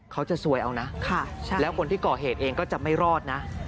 สวยเอานะแล้วคนที่ก่อเหตุเองก็จะไม่รอดนะ